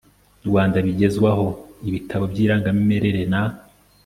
Rwanda bigezwaho ibitabo by irangamimerere na